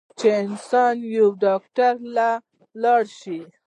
چې انسان يو ډاکټر له لاړشي